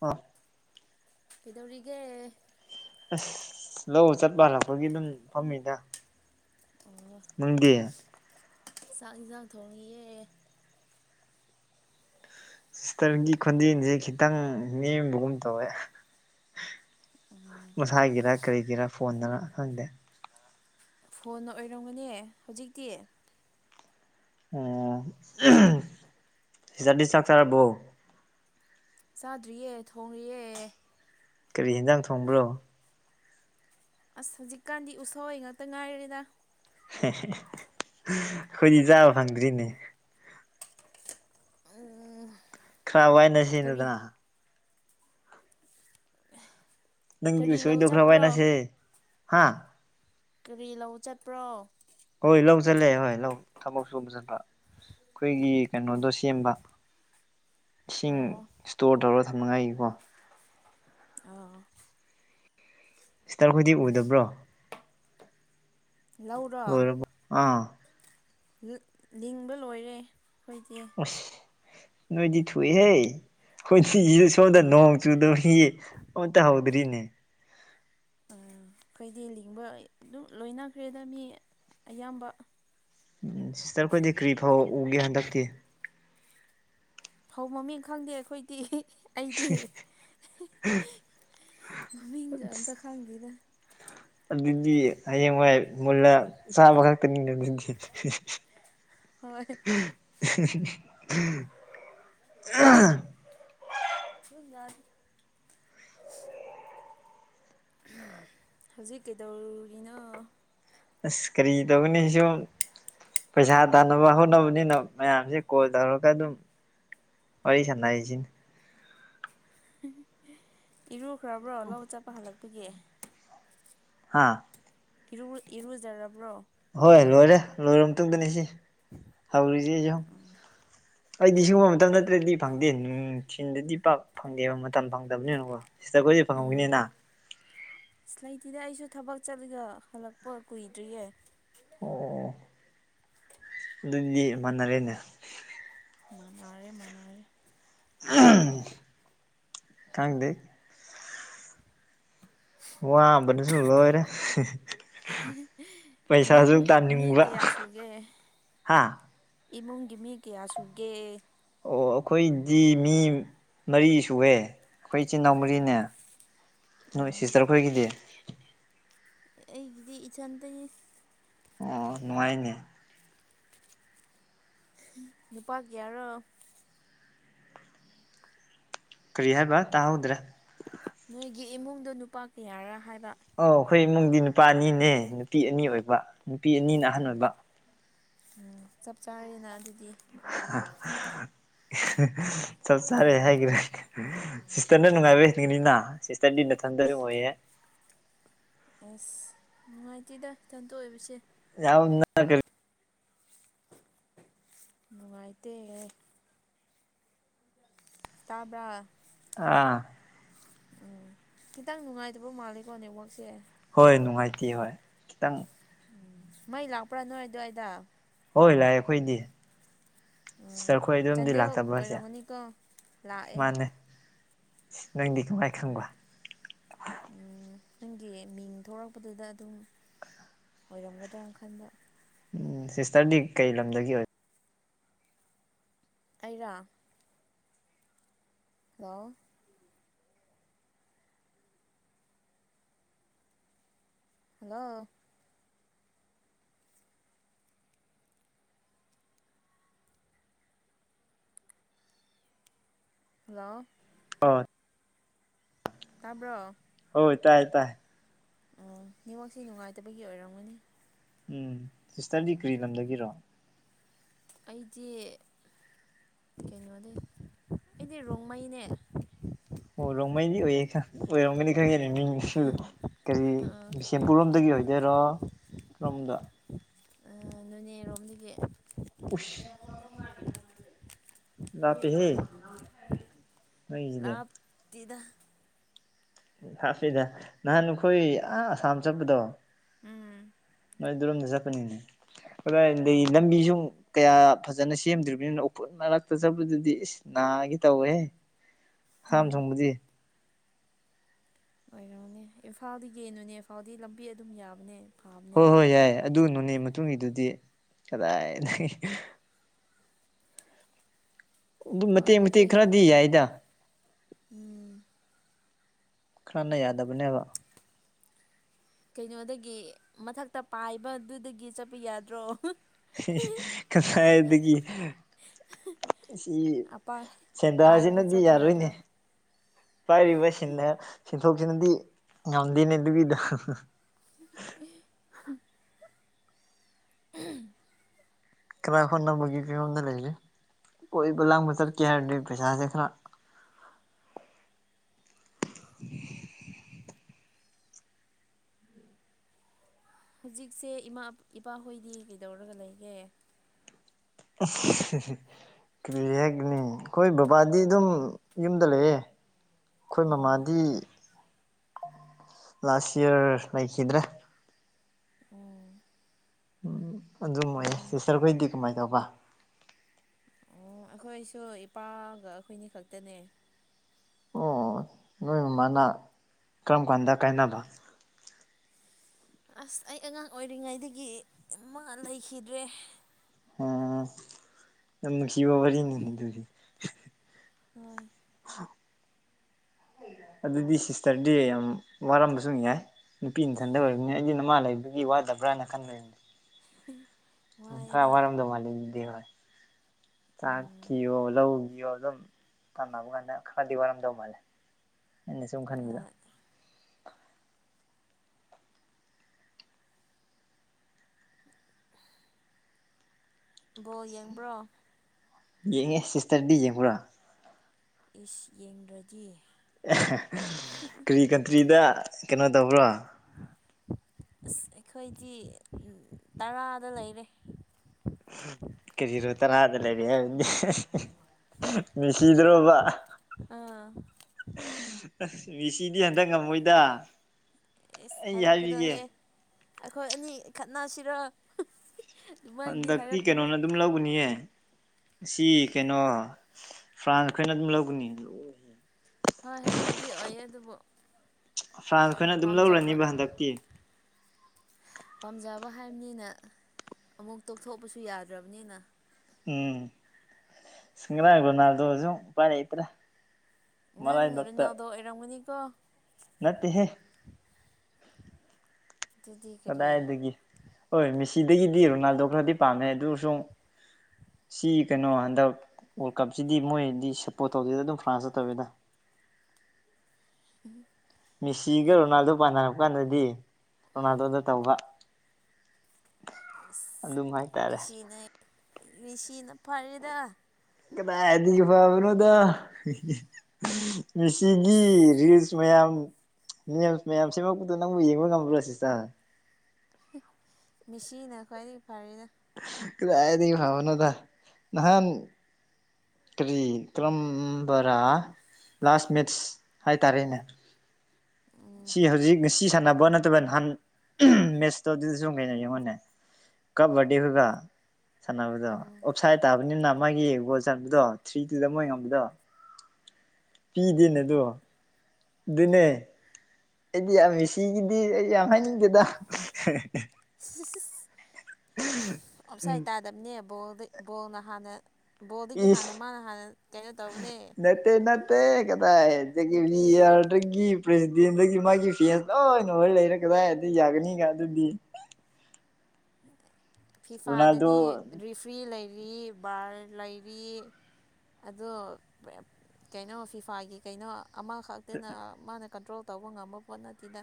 ꯍꯥ ꯀꯩꯗꯧꯔꯤꯒꯦ ꯑꯁ ꯂꯧ ꯆꯠꯄ ꯍꯜꯂꯛꯄꯒꯤ ꯑꯗꯨꯝ ꯐꯝꯃꯤꯗ ꯑꯣ ꯅꯪꯗꯤ ꯆꯥꯛ ꯌꯦꯟꯁꯥꯡ ꯊꯣꯡꯉꯕꯣ ꯁꯤꯁꯇꯔꯒꯤ ꯈꯣꯟꯖꯦꯜꯁꯦ ꯈꯤꯇꯪ ꯅꯦꯝꯕꯒꯨꯝ ꯇꯧꯋꯦ ꯃꯁꯥꯏꯒꯤꯔ ꯀꯔꯤꯒꯤꯔ ꯐꯣꯟꯗꯔ ꯈꯪꯗꯦ ꯐꯣꯟꯅ ꯑꯣꯏꯔꯝꯒꯅꯤ ꯍꯧꯖꯤꯛꯇꯤ ꯎꯝ ꯁꯤꯁꯇꯔꯗꯤ ꯆꯥꯛ ꯆꯥꯔꯕꯣ ꯆꯥꯗ꯭ꯔꯤꯌꯦ ꯊꯣꯡꯉꯤꯌꯦ ꯀꯔꯤ ꯍꯦꯟꯖꯥꯡ ꯊꯣꯡꯕ꯭ꯔꯣ ꯑꯁ ꯍꯧꯖꯤꯛꯀꯥꯟꯗꯤ ꯎꯁꯣꯏ ꯉꯥꯛꯇ ꯉꯥꯏꯔꯦꯗ ꯍꯦ ꯍꯦ ꯍꯦ ꯑꯩꯈꯣꯏꯗꯤ ꯆꯥꯕ ꯐꯪꯗ꯭ꯔꯤꯅꯦ ꯎꯝ ꯈꯔ ꯋꯥꯏꯅꯥꯁꯤꯅꯦꯗꯅꯥ ꯅꯪ ꯀꯔꯤ ꯂꯧ ꯎꯁꯣꯏꯗꯣ ꯈꯔ ꯆꯠꯄ꯭ꯔꯣ ꯋꯥꯏꯅꯁꯦ ꯍꯥ ꯀꯔꯤ ꯂꯧ ꯆꯠꯄ꯭ꯔꯣ ꯍꯣꯏ ꯂꯧꯆꯠꯂꯦ ꯍꯣꯏ ꯂꯧ ꯊꯕꯛ ꯁꯨꯕ ꯆꯠꯄ ꯑꯩꯈꯣꯏꯒꯤ ꯀꯩꯅꯣꯗꯣ ꯁꯦꯝꯕ ꯏꯁꯤꯡ ꯑꯣ ꯏꯁꯇꯣꯔ ꯇꯧꯔꯒ ꯊꯝꯅꯉꯥꯏꯒꯤꯀꯣ ꯑꯣꯑꯣ ꯁꯤꯁꯇꯔ ꯈꯣꯏꯗꯤ ꯎꯗꯕ꯭ꯔꯣ ꯂꯧꯔꯣ UNINTELLIGIBLE ꯂꯤꯡꯕ ꯂꯣꯏꯔꯦ ꯑꯩꯈꯣꯏꯗꯤ ꯑꯁ ꯅꯣꯏꯗꯤ ꯊꯨꯏꯍꯦ ꯑꯩꯈꯣꯏꯗꯤ ꯁꯣꯝꯗ ꯑꯥ ꯅꯣꯡ ꯆꯨꯗꯕꯒꯤ ꯑꯃꯇꯠꯍꯧꯗ꯭ꯔꯤꯅꯦ ꯑꯥꯑꯥ ꯑꯩꯈꯣꯏꯗꯤ ꯂꯤꯡꯕ ꯑꯗꯨꯝ ꯂꯣꯏꯅꯈ꯭ꯔꯦꯗ ꯃꯤ ꯑꯌꯥꯝꯕ ꯁꯤꯁꯇꯔꯈꯣꯏꯗꯤ ꯀꯔꯤ ꯐꯧ ꯎꯒꯦ ꯍꯟꯗꯛꯇꯤ ꯐꯧ ꯃꯃꯤꯡ ꯈꯪꯗꯦ ꯑꯩꯈꯣꯏꯗꯤ ꯑꯩꯗꯤ ꯃꯃꯤꯡꯒ ꯑꯝꯇ ꯈꯪꯗꯦꯗ ꯑꯗꯨꯗꯤ ꯍꯌꯦꯡꯋꯥꯏ ꯃꯨꯜꯂ ꯆꯥꯕ ꯈꯛ INAUDIBLE INAUDIBLE ꯍꯣꯏ INAUDIBLE ꯍꯧꯖꯤꯛ ꯀꯩꯗꯧꯔꯤꯅꯣ ꯑꯥꯁ ꯀꯔꯤ ꯇꯧꯒꯅꯤ ꯁꯨꯨꯝ ꯄꯩꯁꯥ ꯇꯥꯟꯅꯕ ꯍꯣꯠꯅꯕꯅꯤꯅ ꯃꯌꯥꯝꯖꯦ ꯀꯣꯜ ꯇꯧꯔꯒ ꯑꯗꯨꯝ ꯋꯥꯔꯤ ꯁꯥꯟꯅꯩꯖꯤꯅꯤ ꯏꯔꯨꯈ꯭ꯔꯕ꯭ꯔꯣ ꯂꯧ ꯆꯠꯄ ꯍꯜꯂꯛꯄꯒꯤ ꯍꯥꯥꯑꯥ ꯏꯔꯨ ꯏꯔꯨꯖꯔꯕ꯭ꯔꯣ ꯍꯣꯏ ꯂꯣꯏꯔꯦ ꯂꯣꯏꯔꯕ ꯃꯇꯨꯡꯗꯅꯦ ꯁꯤ ꯍꯧꯔꯤꯖꯦ ꯌꯦꯡꯎ INAUDIBLE ꯑꯩꯗꯤ ꯁꯤꯒꯨꯝꯕ ꯃꯇꯝ ꯅꯠꯇ꯭ꯔꯗꯤ ꯐꯪꯗꯦ ꯁꯤꯟꯗꯗꯤ ꯄꯥꯛ ꯐꯪꯗꯦꯕ ꯃꯇꯝ ꯐꯪꯗꯕꯅꯤꯅꯀꯣ ꯁꯤꯁꯇꯔ ꯈꯣꯏꯗꯤ ꯑꯥꯑꯣ ꯐꯪꯍꯧꯒꯤꯅꯤꯅ ꯑꯥꯁꯠꯂꯩꯇꯦꯗ ꯑꯩꯁꯨ ꯊꯕꯛ ꯆꯠꯂꯒ ꯍꯜꯂꯛꯄ ꯀꯨꯏꯗ꯭ꯔꯤꯌꯦ ꯑꯣ ꯑꯣꯑꯣ ꯑꯗꯨꯗꯤ ꯃꯥꯟꯅꯔꯦꯅꯦ ꯃꯥꯟꯅꯥꯔꯦ ꯃꯥꯟꯅꯥꯔꯦ ꯈꯪꯗꯦ ꯋꯥꯕꯅꯖꯨ ꯂꯣꯏꯔꯦ ꯏꯃꯨꯡ ꯄꯩꯁꯥꯁꯨ ꯃꯤ ꯇꯥꯅꯤꯡꯕ ꯀꯌꯥ ꯁꯨꯒꯦ ꯍꯥ ꯏꯃꯨꯡꯒꯤ ꯃꯤ ꯀꯌꯥ ꯁꯨꯒꯦ ꯑꯣ ꯑꯣꯑꯩꯈꯣꯏꯗꯤ ꯃꯤ ꯃꯔꯤ ꯁꯨꯋꯦ ꯑꯩꯈꯣꯏ ꯏꯆꯤꯜ- ꯏꯅꯥꯎ ꯑꯥ ꯃꯔꯤꯅꯦ ꯅꯣꯏ ꯑꯥ ꯁꯤꯁꯇꯔ ꯈꯣꯏꯒꯤꯗꯤ ꯑꯩꯒꯤꯗꯤ ꯏꯊꯟꯇꯅꯤ ꯑꯣꯑꯣ ꯅꯨꯉꯥꯏꯅꯦ ꯅꯨꯄꯥ ꯀꯌꯥꯔꯣ ꯀꯔꯤ ꯍꯥꯏꯕ ꯇꯥꯍꯧꯗ꯭ꯔꯦ ꯅꯣꯏꯒꯤ ꯏꯃꯨꯡꯗꯣ ꯅꯨꯄꯥ ꯀꯌꯥꯔꯥ ꯍꯥꯏꯕ ꯑꯣꯑꯩꯈꯣꯏ ꯏꯃꯨꯡꯗꯤ ꯅꯨꯄꯥ ꯑꯅꯤꯅꯦ ꯅꯨꯄꯤ ꯑꯅꯤ ꯑꯣꯏꯕ ꯅꯨꯄꯤ ꯑꯅꯤꯅ ꯑꯍꯟ ꯑꯣꯏꯕ ꯎꯪ ꯆꯞ -ꯆꯥꯔꯦꯅ ꯑꯗꯨꯗꯤ [unintelligible] ꯆꯞ ꯆꯔꯦ ꯌꯥꯝ ꯍꯥꯏꯒ꯭ꯔꯦ ꯁꯤꯁꯇꯔꯅ ꯅꯨꯡꯉꯥꯏꯕ ꯍꯦꯟꯒꯅꯤꯅ ꯁꯤꯁꯇꯔꯗꯤ ꯅꯊꯟꯗ ꯑꯣꯏꯌꯦ ꯑꯁ ꯅꯨꯡꯉꯥꯏꯇꯦꯗ ꯏꯊꯟꯇ ꯑꯣꯏꯕꯁꯦ [inaudible] ꯅꯨꯡꯉꯥꯏꯇꯦ ꯇꯥꯕ꯭ꯔꯥ ꯑꯥ ꯑꯥ ꯈꯤꯇꯪ ꯅꯨꯡꯉꯥꯏꯇꯕ ꯃꯥꯜꯂꯦꯀꯣ ꯅꯦꯠꯋꯥꯛꯁꯦ ꯍꯣꯏ ꯅꯨꯡꯉꯥꯏꯇꯦ ꯍꯣꯏ ꯈꯤꯇꯪ ꯎꯝ ꯃꯩ ꯂꯥꯛꯄ꯭ꯔꯥ ꯅꯣꯏ ꯗ꯭ꯋꯥꯏꯗ ꯍꯣꯏ ꯂꯥꯛꯑꯦ ꯈꯣꯏꯗꯤ ꯎꯝ ꯁꯤꯁꯇꯔꯈꯣꯏ ꯑꯗꯨꯝꯗꯤ ꯆꯥꯟꯗꯦꯜ ꯂꯥꯛꯇꯕ꯭ꯔ ꯍꯥꯏꯁꯦ ꯑꯣꯏꯔꯝꯒꯅꯤꯀꯣ ꯂꯥꯛꯑꯦ ꯃꯥꯅꯦ ꯅꯪꯗꯤ ꯀꯃꯥꯏ ꯈꯪꯕ ꯎꯝ ꯅꯪꯒꯤ ꯃꯤꯡ ꯊꯣꯛꯂꯛꯄꯗꯨꯗ ꯑꯗꯨꯝ ꯑꯣꯏꯔꯝꯒꯗ꯭ꯔ ꯈꯟꯕ ꯎꯝ ꯁꯤꯁꯇꯔꯗꯤ ꯀꯩ ꯂꯝꯗꯒꯤ ꯑꯣꯏ ꯑꯩꯔꯥ ꯂꯣ ꯍꯜꯂꯣ ꯍꯜꯂꯣ ꯑ ꯇꯥꯕ꯭ꯔꯣ ꯑꯣ ꯍꯣꯏ ꯇꯥꯏ ꯇꯥꯏ ꯎꯝ ꯅꯦꯠꯋꯔꯥꯛꯁꯦ ꯅꯨꯡꯉꯥꯏꯇꯕꯒꯤ ꯑꯣꯏꯔꯝꯒꯅꯤ ꯎꯝ ꯁꯤꯁꯇꯔꯗꯤ ꯀ꯭ꯔꯤ ꯂꯝꯗꯒꯤꯔꯣ ꯑꯩꯗꯤ ꯀꯩꯅꯣꯗꯤ ꯑꯩꯗꯤ ꯔꯣꯡꯃꯩꯅꯦ ꯑꯣ ꯔꯣꯡꯃꯩꯗꯤ ꯑꯣꯏꯌꯦ ꯈꯪ ꯑꯣꯏꯔꯝꯒꯅꯤ ꯈꯪꯉꯤꯅꯦ ꯃꯤꯡ [unintelligible] ꯀꯔꯤ ꯕꯤꯁꯦꯝꯄꯨꯔꯔꯣꯝꯗꯒꯤ ꯑꯣꯏꯗꯣꯏꯔꯣ ꯔꯣꯝꯗ ꯑꯥ ꯅꯣꯅꯦꯔꯣꯝꯗꯒꯤ ꯎꯁ ꯂꯥꯞꯄꯦꯍꯦ ꯅꯣꯏꯒꯤꯁꯤꯗꯤ ꯂꯥꯞꯇꯤꯗ ꯊꯥꯞꯄꯤꯗ ꯅꯍꯥꯟ ꯅꯈꯣꯏ ꯑꯥ ꯑꯁꯥꯝ ꯆꯠꯄꯗꯣ ꯎꯝ ꯑꯗꯨ ꯔꯣꯝꯗ ꯆꯠꯄꯅꯤꯅꯦ ꯑꯗꯥꯏ ꯗꯩꯩ ꯑꯣ ꯂꯝꯕꯤ ꯁꯨ ꯀꯌꯥ ꯐꯖꯅ ꯁꯦꯝꯗ꯭ꯔꯤꯕꯅꯤꯅ ꯎꯐꯨꯜ ꯃꯔꯛꯇ ꯆꯠꯄꯗꯨꯗꯤ ꯏꯁ ꯅꯥꯒꯦ ꯇꯧꯋꯦꯍꯦ [inaudible] ꯍꯥꯝ ꯊꯣꯡꯕꯗꯤ ꯑꯣꯏꯔꯝꯅꯤ ꯏꯝꯐꯥꯜꯗꯒꯤ ꯅꯣꯅꯦ ꯐꯥꯎꯗꯤ ꯂꯝꯕꯤ ꯑꯗꯨꯝ ꯌꯥꯕꯅꯦ ꯐꯥꯕꯅꯦ ꯍꯣꯏ ꯍꯣꯏ ꯌꯥꯏ ꯑꯗꯨ ꯅꯣꯅꯦ ꯃꯇꯨꯡꯒꯤꯗꯨꯗꯤ ꯀꯗꯥꯏꯗꯒꯤ ꯑꯗꯨꯝ ꯍꯣꯏ ꯃꯇꯦꯛ ꯑꯗꯨ ꯃꯇꯦꯛ ꯈꯔꯗꯤ ꯍꯦꯟꯈ꯭ꯔꯗꯤ ꯌꯥꯏꯗ ꯎꯝ ꯈꯔꯅ ꯌꯥꯗꯕ ꯀꯩꯅꯣꯗꯒꯤ ꯃꯊꯛꯇ ꯄꯥꯏꯕꯗꯨꯗꯒꯤ ꯆꯠꯄ ꯌꯥꯗ꯭ꯔꯣ ꯀꯗꯥꯏ ꯗꯒꯤ ꯁꯤ ꯑꯄꯥ ꯄꯥꯏꯔꯒ ꯁꯦꯟꯗꯥꯁꯤꯅꯗꯤ ꯆꯠꯄ ꯌꯥꯔꯣꯏꯅꯦ ꯌꯥꯗ꯭ꯔꯣ ꯄꯥꯏꯔꯤꯕ ꯁꯤꯟꯗ ꯁꯦꯟꯊꯣꯛꯁꯤꯅꯗꯤ ꯉꯝꯗꯦꯅꯦ ꯗꯨꯒꯤꯗꯣ INAUDIBLE INAUDIBLE UNINTELLIGIBLE ꯀꯣꯏꯕ- ꯂꯥꯡꯕ ꯆꯠꯀꯦ ꯍꯥꯏꯔꯗꯤ ꯄꯩꯁꯥꯁꯦ ꯈꯔ INAUDIBLE INAUDIBLE ꯍꯧꯖꯤꯛꯁꯦ ꯏꯃꯥ-ꯀ ꯏꯄꯥꯍꯣꯏꯗꯤ ꯀꯩꯗꯧꯔꯒ ꯂꯩꯒꯦ INAUDIBLE ꯀ꯭ꯔꯤ ꯍꯥꯕꯒꯅꯤ ꯑꯩꯈꯣꯏ ꯕꯕꯥꯗꯤ ꯑꯗꯨꯝ ꯌꯨꯝꯗ ꯂꯩꯑꯦ ꯈꯣꯏ ꯎꯝ ꯃꯃꯥꯗꯤ ꯂꯥꯠꯁ ꯏꯌꯔ ꯂꯩꯈꯤꯗ꯭ꯔꯦ ꯎꯝ ꯎꯪꯝ ꯑꯗꯨꯝꯃꯥꯏꯅ ꯎꯝ ꯁꯤꯇꯔꯈꯣꯏꯗꯤ ꯀꯃꯥꯏ ꯇꯧꯕ ꯈꯣꯏꯁꯨ ꯏꯄꯥꯒ ꯑꯩꯈꯣꯏꯅꯤ ꯈꯛꯇꯅꯦ ꯑꯣ ꯑꯣ ꯅꯣꯏ ꯃꯃꯥꯅ ꯀꯔꯝ ꯀꯥꯟꯗ ꯀꯥꯏꯅꯕ ꯑꯥꯁ ꯑꯩ ꯑꯉꯥꯡ ꯑꯣꯏꯔꯤꯉꯩꯗꯒꯤ ꯃꯥ ꯂꯩꯈꯤꯗ꯭ꯔꯦ ꯑꯣꯑꯣ ꯌꯥꯝ ꯅꯨꯡꯁꯤꯕ ꯋꯥꯔꯤꯅꯤ ꯑꯗꯨꯗꯤ ꯍꯣꯏ INAUDIBLE INAUDIBLE ꯑꯗꯨꯗꯤ ꯁꯤꯁꯇꯔꯗꯤ ꯌꯥꯝ ꯋꯥꯔꯝꯕꯁꯨ ꯌꯥꯏ ꯅꯨꯄꯤꯅꯊꯟꯗ ꯑꯣꯏꯔꯝꯅꯤꯅ ꯑꯩꯗꯤ ꯅꯃꯥ ꯂꯩꯕꯒꯤ ꯋꯥꯗ ꯕ꯭ꯔꯥꯅ ꯈꯟꯕꯅꯤꯗ INAUDIBLE ꯈꯔ ꯋꯥꯔꯝꯗꯧ ꯃꯥꯜꯂꯤꯅꯦ ꯑꯗꯨꯗꯤ ꯍꯣꯢ ꯆꯥꯛ ꯎꯝ ꯀꯤꯑꯣ ꯂꯧ ꯗꯤꯑꯣ ꯑꯗꯨ ꯅꯕꯀꯥꯟꯗ ꯈꯔꯗꯤ ꯋꯥꯔꯝꯗꯧ ꯃꯥꯜꯂꯦ ꯑꯩꯅ ꯁꯨꯝ ꯈꯟꯕꯗ ꯍꯣꯏ ꯕꯣꯜ ꯌꯦꯡꯕ꯭ꯔꯣ ꯌꯦꯡꯉꯤ ꯁꯤꯁꯇꯔꯗꯤ ꯌꯦꯡꯕ꯭ꯔꯥ ꯏꯁ ꯌꯦꯡꯗ꯭ꯔꯗꯤ ꯀꯔꯤ ꯀꯟꯇ꯭ꯔꯤꯗ ꯀꯩꯅꯣ ꯇꯧꯕ꯭ꯔꯣ ꯏꯁ ꯑꯩꯈꯣꯏꯗꯤ ꯇꯔꯥꯗ ꯂꯩꯔꯦ ꯀꯦꯖꯤꯗ ꯇꯔꯥꯗ ꯂꯩꯔꯛꯑꯦ ꯍꯥꯌꯖꯤꯅꯦ ꯍꯤ ꯍꯤ ꯃꯦꯁꯤꯗꯔꯣꯕ ꯍꯥ ꯍꯥ INAUDIBLE ꯑꯥꯁ ꯃꯦꯁꯤꯗꯤ ꯍꯟꯗꯛ ꯉꯝꯃꯣꯏꯗ ꯑꯦꯁ ꯑꯩ ꯍꯥꯏꯕꯤꯒꯦ ꯍꯥꯏꯔꯛꯀꯅꯣꯍꯦ ꯑꯩꯈꯣꯏ ꯑꯅꯤ ꯈꯠꯅꯁꯤꯔꯣ ꯑꯗꯨꯃꯥꯏꯅꯗꯤ ꯍꯟꯗꯛꯇꯤ ꯍꯥꯏꯔꯛꯀꯅꯨ ꯀꯩꯅꯣꯅ ꯑꯗꯨꯝ ꯂꯧꯒꯅꯤꯌꯦ ꯁꯤ ꯀꯩꯅꯣ ꯐ꯭ꯔꯥꯟꯁ ꯈꯣꯏꯅ ꯑꯗꯨꯝ ꯂꯧꯒꯅꯤ ꯍꯣꯏ ꯑꯗꯨꯕꯨꯗꯤ ꯑꯣꯏꯌꯦ ꯑꯗꯨꯕꯨ ꯐ꯭ꯔꯥꯟꯁ ꯈꯣꯏꯅ ꯑꯗꯨꯝ ꯄꯥꯝꯖꯕ ꯂꯧꯔꯅꯤꯕ ꯍꯟꯗꯛꯇꯤ ꯄꯥꯝꯖꯕ ꯍꯥꯏꯕꯅꯤꯅ ꯑꯃꯨꯛ ꯇꯣꯛꯊꯣꯛꯄꯁꯨ ꯌꯥꯗ꯭ꯔꯕꯅꯤꯅ ꯎꯝ ꯉꯔꯥꯡ ꯔꯣꯅꯥꯜꯗꯣꯖꯨ ꯎꯄꯥꯏ ꯂꯩꯇ꯭ꯔꯦ ꯅꯪ ꯃꯔꯥꯏꯕꯛꯇ ꯔꯣꯅꯥꯜꯗꯣ ꯑꯣꯏꯔꯝꯒꯅꯤꯀꯣ ꯅꯠꯇꯦꯍꯦ ꯑꯗꯨꯗꯤ ꯀꯔꯤ ꯀꯗꯥꯏꯗꯒꯤ ꯍꯣꯏ ꯃꯦꯁꯤꯗꯒꯤꯗꯤ ꯔꯣꯅꯥꯜꯗꯣꯅꯥ ꯄꯥꯝꯃꯦ ꯑꯗꯨꯁꯨꯡ ꯁꯤ ꯀꯩꯅꯣ ꯍꯟꯗꯛ ꯋꯥꯔꯜ ꯀꯞꯁꯤꯗꯤ ꯃꯣꯏꯗꯤ ꯁꯞꯄꯣꯔꯠ ꯇꯧꯗꯦꯗ ꯑꯗꯨꯝ ꯐ꯭ꯔꯥꯟꯁꯇ ꯇꯧꯋꯦꯗ ꯎꯝ ꯃꯤꯁꯤꯒ ꯔꯣꯅꯥꯜꯗꯣ ꯄꯥꯟꯅꯔꯛꯄ ꯀꯥꯟꯗꯗꯤ ꯔꯣꯅꯥꯜꯗꯣꯗ ꯇꯧꯕ ꯑꯗꯨꯝ ꯍꯥꯏꯇꯥꯔꯦ ꯃꯤꯁꯤꯅ ꯐꯔꯦꯗ ꯀꯗꯥꯏꯗꯒꯤ ꯐꯥꯕꯅꯣꯗ ꯃꯤꯁꯤꯒꯤ ꯔꯤꯜꯁ ꯃꯌꯥꯝ ꯃꯦꯝꯁ ꯃꯌꯥꯝ ꯁꯦꯝꯃꯛꯄꯗꯣ ꯅꯪꯕꯨ ꯌꯦꯡꯕ ꯉꯝꯕ꯭ꯔꯣ ꯁꯤꯁꯇꯔ ꯃꯤꯁꯤꯅ ꯈ꯭ꯋꯥꯏꯗꯒꯤ ꯐꯔꯦꯗ ꯀꯥꯗꯥꯏꯗꯒꯤ ꯐꯕꯅꯣꯗ ꯅꯍꯥꯟ ꯀꯔꯤ ꯀ꯭ꯔꯝꯕꯥꯔꯥ ꯂꯥꯁ ꯃꯤꯠꯁ ꯍꯥꯏꯇꯥꯔꯦꯅꯦ ꯎꯝ ꯁꯤ ꯍꯧꯖꯤꯛ ꯉꯁꯤ ꯁꯥꯟꯅꯕ ꯅꯠꯇꯕ ꯅꯍꯥꯟ ꯃꯦꯠꯁꯇꯣ ꯑꯗꯨ ꯁꯨꯝ ꯌꯦꯡꯉꯣꯅꯦ ꯀꯞꯕꯔꯗꯦꯍꯣꯏꯒ ꯁꯥꯟꯅꯕꯗꯣ ꯑꯣꯞꯁꯥꯏꯠ ꯇꯥꯕꯅꯤꯅ ꯃꯥꯒꯤ ꯕꯣꯜ ꯆꯟꯕꯗꯣ ꯊ꯭ꯔꯤ ꯇꯨꯗ ꯃꯣꯏ ꯉꯝꯕꯗꯣ ꯄꯤꯗꯦꯅꯦꯗꯣ ꯑꯗꯨꯅꯦ ꯑꯩꯗꯤ ꯌꯥꯝ ꯃꯦꯁꯤꯒꯤꯗꯤ ꯑꯩ ꯌꯥꯝ ꯍꯥꯏꯅꯤꯡꯗꯦꯗ ꯁꯤꯁꯤꯁ ꯑꯥꯎꯞꯁꯥꯏꯠ ꯇꯥꯗꯕꯅꯦ ꯕꯣꯜꯗ ꯕꯣꯜꯅ ꯍꯥꯟꯅ ꯕꯣꯜꯗꯒꯤ ꯏꯁ ꯍꯥꯟꯅ ꯃꯥꯅ ꯍꯥꯟꯅ ꯀꯩꯅꯣ ꯇꯧꯕꯅꯦ ꯇꯦ ꯀꯗꯥꯏꯗꯒꯤ ꯕꯤ ꯑꯥꯔꯗꯒꯤ ꯄ꯭ꯔꯦꯁꯤꯗꯦꯟꯗꯒꯤ ꯃꯥꯒꯤ ꯐꯦꯁ ꯂꯣꯏꯅ ꯑꯣꯏꯔ ꯂꯩꯔꯒ ꯀꯥꯗꯏꯗꯒꯤ ꯌꯥꯒꯅꯤꯒ ꯑꯗꯨꯗꯤ [inaudible] ꯔꯣꯅꯥꯜꯗꯣ ꯐꯤꯐꯥꯗꯗꯤ ꯔꯤꯐ꯭ꯔꯤ ꯂꯩꯔꯤ ꯕꯥꯔ ꯂꯩꯔꯤ ꯑꯗꯣ ꯀꯩꯅꯣ ꯐꯤꯐꯥꯒꯤ ꯀꯩꯅꯣ ꯑꯃꯈꯛꯇꯅ ꯃꯥꯅ ꯀꯟꯇ꯭ꯔꯣꯜ ꯇꯧꯕ ꯉꯝꯕ ꯄꯣꯠ ꯅꯠꯇꯦꯗ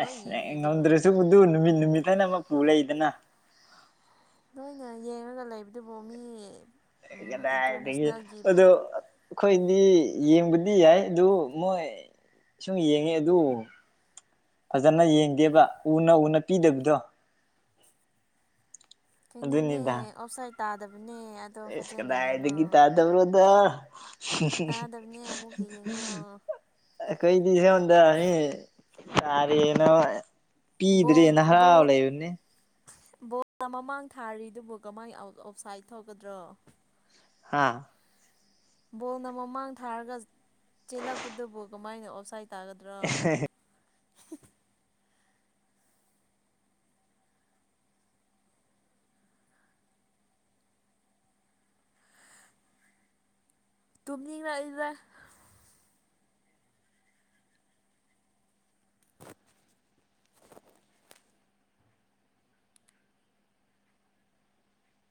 ꯂꯣꯏ ꯑꯁ ꯌꯦꯡꯉꯤꯗꯨꯕꯨ ꯉꯝꯗ꯭ꯔꯁꯨ ꯗꯨꯅꯨꯃꯤꯠ ꯅꯨꯃꯤꯠꯅ ꯍꯥꯏꯅ ꯑꯃ ꯂꯩꯗꯅ ꯅꯣꯏꯅ ꯌꯦꯡꯔꯒ ꯂꯩꯕꯗꯨꯕꯨ ꯃꯤ ꯀꯗꯥꯏꯗꯒꯤ ꯏꯟꯇꯔꯅꯦꯁꯅꯦꯜꯒꯤꯕꯨ ꯑꯗꯣ ꯑꯩꯈꯣꯏ ꯗꯤ ꯌꯦꯡꯕꯗꯤ ꯌꯥꯏ ꯑꯗꯨ ꯃꯣꯏ ꯁꯨꯝ ꯌꯦꯡꯉꯦ ꯑꯗꯨ ꯐꯖꯅ ꯌꯦꯡꯗꯦꯕ ꯎꯅ ꯎꯅ ꯄꯤꯗꯕꯗꯣ ꯀꯩꯅꯣꯅꯦ ꯑꯣꯞꯁꯥꯥꯏ ꯇꯥꯗꯕ ꯏꯁ ꯀꯗꯥꯏꯗꯤꯒꯤ ꯇꯗꯕ꯭ꯔꯣꯗ ꯇꯥꯗꯕꯅꯦ ꯑꯃꯨꯛ ꯌꯦꯡꯉꯣ ꯑꯩꯈꯣꯏꯗꯤ ꯁꯣꯝꯗꯥ ꯃꯤ ꯇꯥꯔꯦꯅ ꯕꯣꯜ ꯄꯤꯗ꯭ꯔꯦꯅ ꯍꯔꯥꯎ ꯂꯩꯕꯅꯦ ꯕꯣꯜ ꯃꯃꯥꯡ ꯊꯥꯔꯤꯗꯨꯕꯨ ꯀꯃꯥꯏꯅ ꯑꯥꯎꯠ ꯑꯣꯐ ꯁꯥꯏꯠ ꯊꯣꯛꯀꯗ꯭ꯔꯣ ꯍꯥꯥ ꯕꯣꯜꯅ ꯃꯃꯥꯡ ꯊꯥꯔꯒ ꯆꯦꯜꯂꯛꯄꯗꯨꯕꯨ ꯀꯃꯥꯏꯅ ꯑꯣꯞꯁꯥꯏꯠ ꯇꯥꯒꯗ꯭ꯔꯥ ꯇꯨꯝꯅꯤꯔꯛꯏꯡꯥꯗ